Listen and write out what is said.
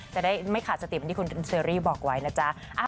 จะได้ไม่ขาดสติเหมือนที่คุณเชอรี่บอกไว้นะจ๊ะ